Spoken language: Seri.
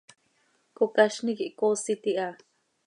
Cocazni quih coosit iha.